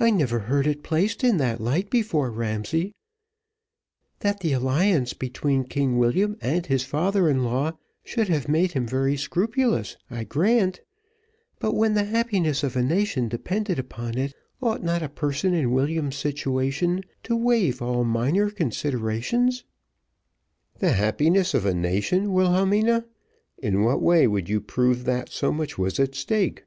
"I never heard it placed in that light before, Ramsay; that the alliance between King William and his father in law should have made him very scrupulous, I grant, but when the happiness of a nation depended upon it, ought not a person in William's situation to waive all minor considerations?" "The happiness of a nation, Wilhelmina? In what way would you prove that so much was at stake?"